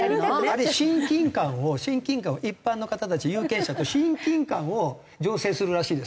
あれ親近感を一般の方たち有権者と親近感を醸成するらしいですわ。